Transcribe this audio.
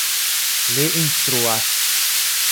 Li instruas.